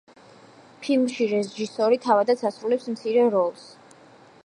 ფილმში რეჟისორი თავადაც ასრულებს მცირე როლს.